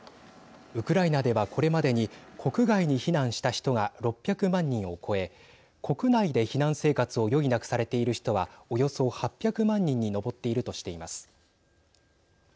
ウクライナではこれまでに国外に避難した人が６００万人を超え国内で避難生活を余儀なくされている人は、およそ８００万人に上っているとしています。